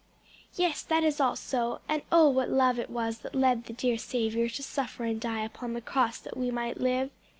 "Yes, that is all so, and oh what love it was that led the dear Saviour to suffer and die upon the cross that we might live!